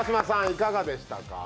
いかがでしたか？